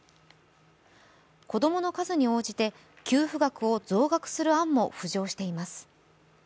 子供の数に応じて給付額を増額する案も浮上しています。